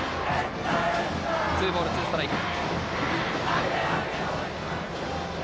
ツーボールツーストライク。